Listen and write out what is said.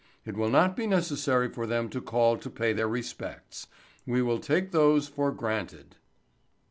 It will not be necessary for them to call to pay their respects. We will take those for granted."